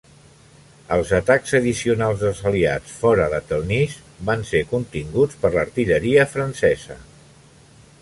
Els atacs addicionals dels Aliats fora de Telnice van ser continguts per l'artilleria francesa.